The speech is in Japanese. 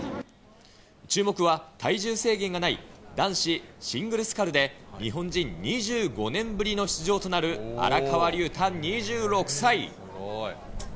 注目は体重制限がない男子シングルスカルで日本人２５年ぶりの出場となる荒川龍太２６歳。